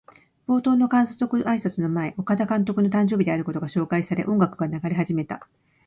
冒頭の監督あいさつの前、岡田監督の誕生日であることが紹介され、音楽が流れ始めた。